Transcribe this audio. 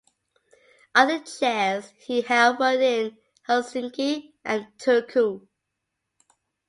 Other chairs he held were in Helsinki and Turku.